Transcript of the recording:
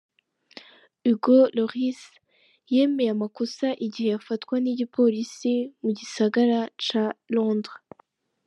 Hugo Lloris yemeye amakosa igihe afatwa n'igipolisi mu gisagara ca Londres.